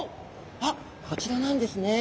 あっこちらなんですね。